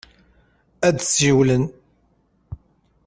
Ad d-siwlen.